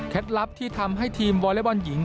เคล็ดลับที่ทำให้ทีมวอเลเบิ้ลหญิง